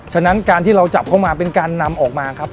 ฉะนั้นการที่เราจับเข้ามาเป็นการนำออกมาครับ